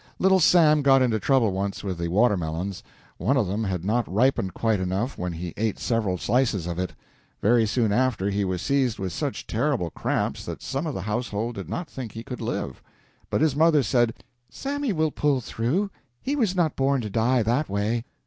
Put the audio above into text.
Little Sam got into trouble once with the watermelons. One of them had not ripened quite enough when he ate several slices of it. Very soon after he was seized with such terrible cramps that some of the household did not think he could live. But his mother said: "Sammy will pull through. He was not born to die that way."